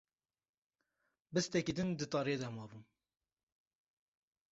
Bistekî din di tariyê de mabûm